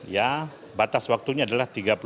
ya batas waktunya adalah